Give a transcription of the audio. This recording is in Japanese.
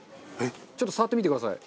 ちょっと触ってみてください。